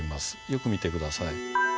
よく見て下さい。